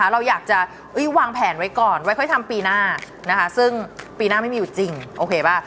เราอยากจะวางแผนไว้ก่อนไว้ค่อยทำปีหน้านะคะซึ่งปีหน้าไม่มีอยู่จริงโอเคป่ะ